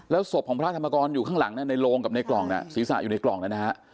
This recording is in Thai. ศพของพระธรรมกรอยู่ข้างหลังในโรงกับในกล่องน่ะศีรษะอยู่ในกล่องนะฮะ